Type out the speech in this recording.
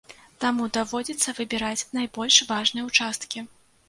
Таму даводзіцца выбіраць найбольш важныя ўчасткі.